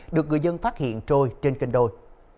được người dân phát hiện trôi trên kênh đôi